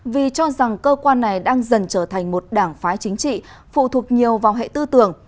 vì cho rằng cơ quan này đang dần trở thành một đảng phái chính trị phụ thuộc nhiều vào hệ tư tưởng